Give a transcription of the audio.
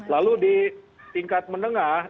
lalu di tingkat menengah